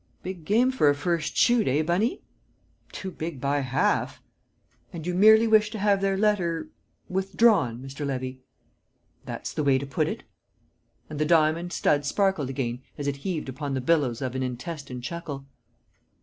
"Big game for a first shoot, eh, Bunny?" "Too big by half." "And you merely wish to have their letter withdrawn, Mr. Levy?" "That's the way to put it." And the diamond stud sparkled again as it heaved upon the billows of an intestine chuckle.